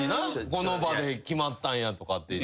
この場で決まったんやとかって。